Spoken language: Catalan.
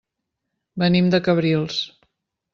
Venim de Cabrils.